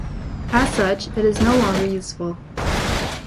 As such, it is no longer useful.